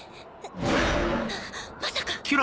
まさか！